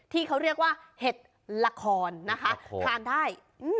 ที่เขาเรียกว่าเห็ดละครนะคะทานได้